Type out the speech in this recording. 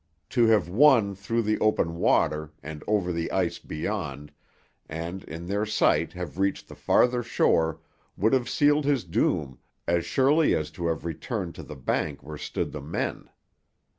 To have won through the open water, and over the ice beyond, and in their sight have reached the farther shore would have sealed his doom as surely as to have returned to the bank where stood the men.